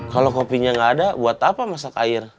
kalau kopinya nggak ada buat apa masak air